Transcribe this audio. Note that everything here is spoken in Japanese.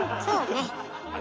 そうね。